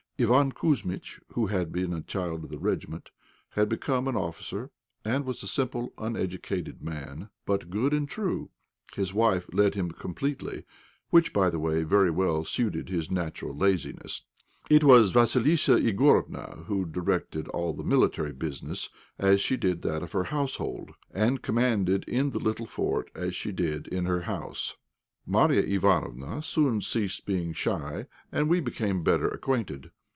Iván Kouzmitch, who had been a child of the regiment, had become an officer, and was a simple, uneducated man, but good and true. His wife led him completely, which, by the way, very well suited his natural laziness. It was Vassilissa Igorofna who directed all military business as she did that of her household, and commanded in the little fort as she did in her house. Marya Ivánofna soon ceased being shy, and we became better acquainted.